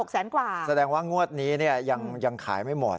แสนกว่าแสดงว่างวดนี้ยังขายไม่หมด